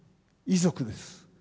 遺族です。